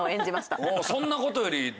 そんなことより。